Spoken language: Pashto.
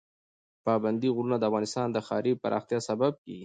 پابندی غرونه د افغانستان د ښاري پراختیا سبب کېږي.